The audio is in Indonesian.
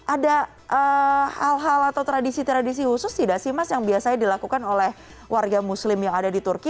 ada hal hal atau tradisi tradisi khusus tidak sih mas yang biasanya dilakukan oleh warga muslim yang ada di turki